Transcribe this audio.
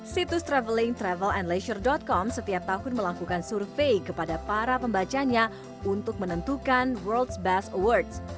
situs travelingtravelandleisure com setiap tahun melakukan survei kepada para pembacanya untuk menentukan world's best awards